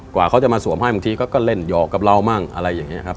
กว่าเขาจะมาสวมให้บางทีเขาก็เล่นหยอกกับเรามั่งอะไรอย่างนี้ครับ